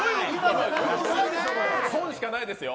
損しかないですよ。